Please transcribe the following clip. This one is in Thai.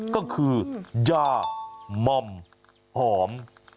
ก็คือยามอมหอม